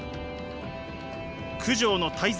「九条の大罪」